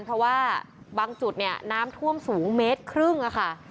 เพราะว่าบางจุดน้ำท่วมสูงระดับ๑๕เมตรค่ะ